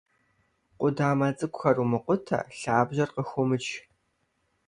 Къудамэ цӀыкӀухэр умыкъутэ, лъабжьэр къыхыумыч.